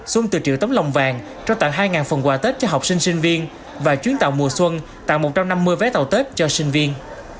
xuân từ triệu tấm lòng vàng trao tặng hai phần quà tết cho học sinh sinh viên và chuyến tàu mùa xuân tặng một trăm năm mươi vé tàu tết cho sinh viên